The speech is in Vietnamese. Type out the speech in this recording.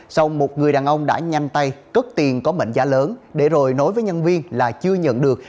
sau một người đàn ông đã nhanh tay cất tiền có mệnh giá lớn để rồi nối với nhân viên là chưa nhận được